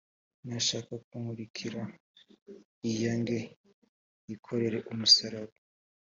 nashaka kunkurikira yiyange yikorere umusaraba